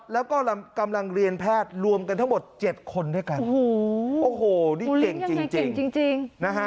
แล้วก็กำลังเรียนแพทย์รวมกันทั้งหมด๗คนด้วยกันโอ้โหนี่เก่งจริงจริงนะฮะ